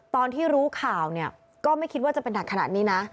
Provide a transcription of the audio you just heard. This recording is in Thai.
ตอนที่รู้ข่าวเนี่ยก็ไม่คิดว่าจะเป็นหนักขนาดนี้นะ